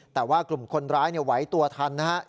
แต่ว่ากลุ่มคนร้ายไหวตัวทันนะครับ